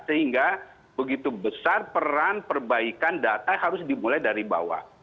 sehingga begitu besar peran perbaikan data harus dimulai dari bawah